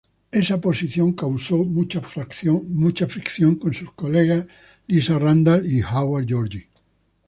Esa posición causó mucha fricción con sus colegas Lisa Randall y Howard Georgi.